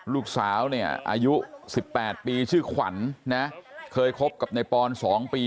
ลูกสาวเนี่ยอายุสิบแปดปีชื่อขวัญนะเคยคบกับนายปอนสองปี